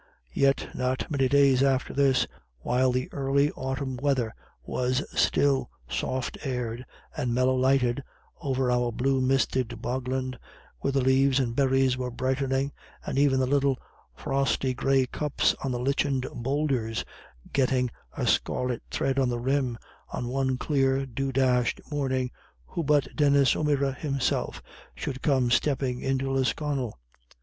Yet not many days after this, while the early autumn weather was still soft aired and mellow lighted over our blue misted bogland, where the leaves and berries were brightening, and even the little frosty grey cups on the lichened boulders getting a scarlet thread at the rim, on one clear, dew dashed morning, who but Denis O'Meara himself should come stepping into Lisconnel?